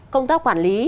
công tác quản lý